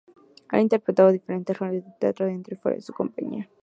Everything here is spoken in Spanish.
Ha interpretado diferentes roles en teatro, dentro y fuera de su compañía.